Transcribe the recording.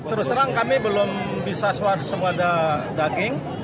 terus terang kami belum bisa suara semua ada daging